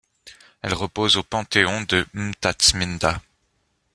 Elle repose au Panthéon de Mtatsminda.